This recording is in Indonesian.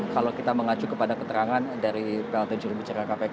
kalau kita mengacu kepada keterangan dari plt jurubicara kpk